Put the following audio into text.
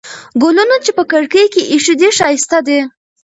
ګلونه چې په کړکۍ کې ایښي دي، ښایسته دي.